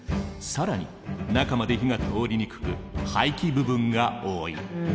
更に中まで火が通りにくく廃棄部分が多い。